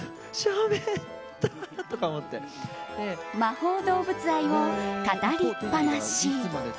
魔法動物愛を語りっぱなし。